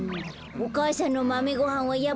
お母さんのマメごはんはやっぱりさいこうだね。